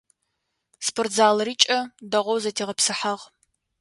Спортзалыри кӏэ, дэгъоу зэтегъэпсыхьагъ.